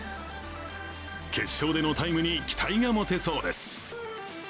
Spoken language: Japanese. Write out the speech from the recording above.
決勝でのタイムに期待が持てそうです。